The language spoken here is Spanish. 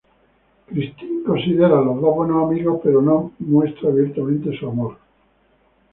Christine considera a los dos buenos amigos pero no muestra abiertamente su amor.